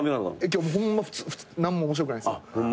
今日ホンマ何も面白くないですよ。